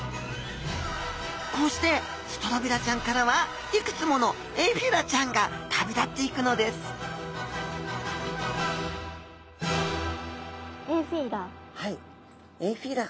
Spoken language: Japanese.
こうしてストロビラちゃんからはいくつものエフィラちゃんが旅立っていくのですエフィラ？